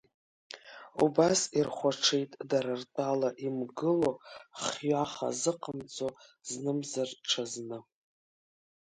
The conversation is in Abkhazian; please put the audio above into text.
Убас ирхәаҽит, дара ртәала, имгыло, хҩаха азыҟамҵо знымзар ҽазны.